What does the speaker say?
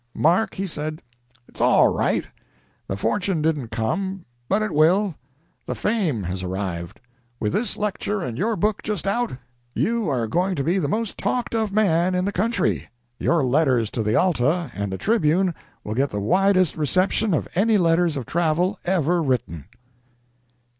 "Mark," he said, "it's all right. The fortune didn't come, but it will. The fame has arrived; with this lecture and your book just out, you are going to be the most talked of man in the country. Your letters to the 'Alta' and the 'Tribune' will get the widest reception of any letters of travel ever written."